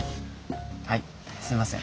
はいすいません。